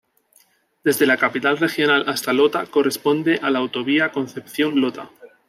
Desde la capital regional hasta Lota corresponde a la Autovía Concepción-Lota.